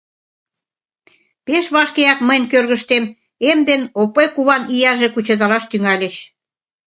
Пеш вашкеак мыйын кӧргыштем эм ден Опой куван ияже кучедалаш тӱҥальыч.